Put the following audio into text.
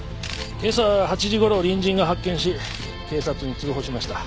今朝８時頃隣人が発見し警察に通報しました。